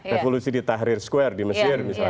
revolusi di tahrir square di mesir misalnya